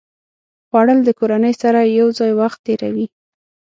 خوړل د کورنۍ سره یو ځای وخت تېروي